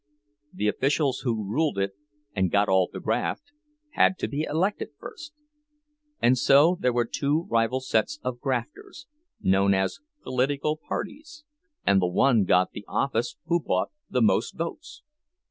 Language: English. The officials who ruled it, and got all the graft, had to be elected first; and so there were two rival sets of grafters, known as political parties, and the one got the office which bought the most votes.